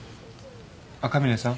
赤嶺さん？